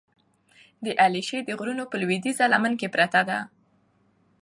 د علیشې د غرونو په لودیځه لمن کې پرته ده،